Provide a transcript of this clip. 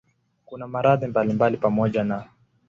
Kuna maradhi mbalimbali pamoja na